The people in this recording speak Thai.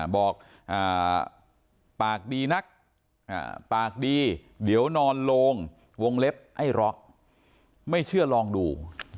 บอกปากดีนักปากดีเดี๋ยวนอนโลงวงเล็บไอ้ร้อไม่เชื่อลองดู